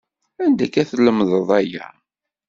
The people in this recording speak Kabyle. Anda akka tlemedeḍ aya?